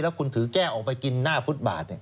คุณถือแก้วออกไปกินหน้าฟุตบาท